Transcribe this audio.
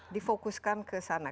difokuskan ke sana